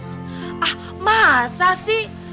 ah masa sih